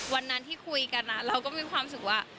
วันนั้นที่คุยกันเราก็มีความรู้สึกว่า